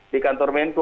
di kantor menko